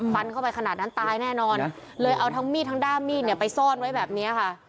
ฟันเข้าไปขนาดนั้นตายแน่นอนเลยเอาทั้งมีดทั้งด้ามมีดเนี่ยไปซ่อนไว้แบบนี้ค่ะ